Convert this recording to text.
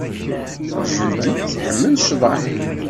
Judy tḥemmel ccḍeḥ.